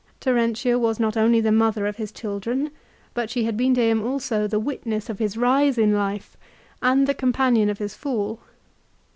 Terentia was not only the mother of his children, but she had been to him also the witness of his rise in life and the companion of his fall.